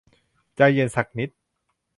ใจเย็นสักนิด